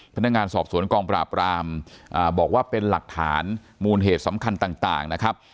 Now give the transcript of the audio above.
พนักงานสอบสวนกองปราบรามบอกว่าเป็นหลักฐานมูลเหตุสำคัญต่างนะครับ